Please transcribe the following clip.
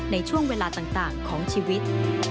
ในช่วงเวลาต่างของชีวิต